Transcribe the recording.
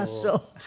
はい。